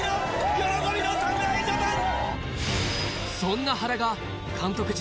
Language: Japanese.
喜びの侍ジャパン！